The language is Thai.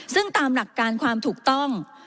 ซึ่งตามหลักการความถูกต้อง